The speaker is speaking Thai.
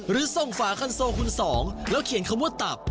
หรือส่งฝาคันโซคุณสองแล้วเขียนคำว่าตับ